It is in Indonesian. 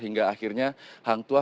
hingga akhirnya hangtua